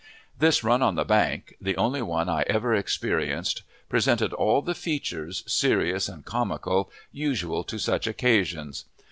This run on the bank (the only one I ever experienced) presented all the features, serious and comical, usual to such occasions.